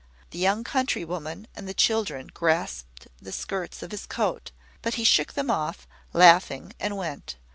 The young countrywoman and the children grasped the skirts of his coat; but he shook them off, laughing, and went.